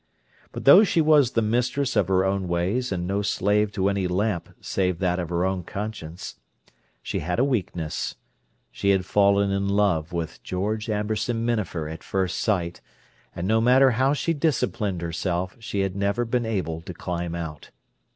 But though she was the mistress of her own ways and no slave to any lamp save that of her own conscience, she had a weakness: she had fallen in love with George Amberson Minafer at first sight, and no matter how she disciplined herself, she had never been able to climb out.